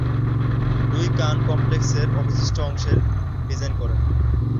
Luis Kahn কমপ্লেক্সের অবশিষ্ট অংশের ডিজাইন করেন।